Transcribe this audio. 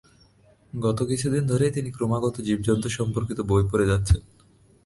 গত কিছুদিন ধরেই তিনি ক্রমাগত জীবজন্তু সম্পর্কিত বই পড়ে যাচ্ছেন।